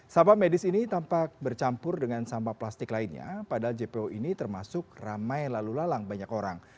sampah medis ini tampak bercampur dengan sampah plastik lainnya padahal jpo ini termasuk ramai lalu lalang banyak orang